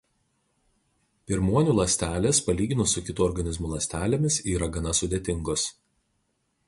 Pirmuonių ląstelės palyginus su kitų organizmų ląstelėmis yra gana sudėtingos.